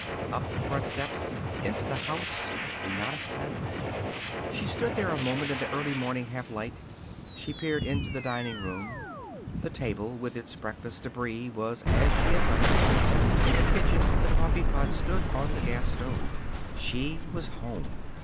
Up the front steps. Into the house. Not a sound. She stood there a moment in the early morning half light. She peered into the dining room. The table, with its breakfast debris, was as she had left it. In the kitchen the coffeepot stood on the gas stove. She was home.